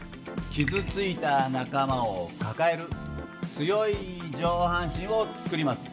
傷ついた仲間を抱える強い上半身を作ります。